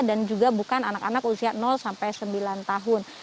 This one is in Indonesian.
dan juga bukan anak anak usia sampai sembilan tahun